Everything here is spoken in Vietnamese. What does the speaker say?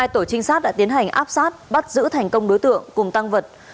hai tổ trinh sát đã tiến hành áp sát bắt giữ thành công đối tượng cùng tăng vật